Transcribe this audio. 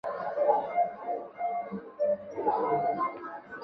白纹歧脊沫蝉为尖胸沫蝉科歧脊沫蝉属下的一个种。